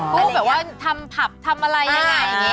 พูดแบบว่าทำผับทำอะไรยังไง